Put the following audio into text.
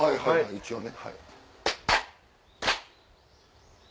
一応ね。